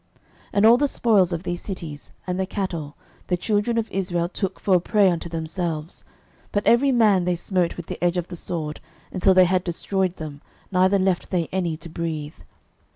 06:011:014 And all the spoil of these cities, and the cattle, the children of Israel took for a prey unto themselves; but every man they smote with the edge of the sword, until they had destroyed them, neither left they any to breathe.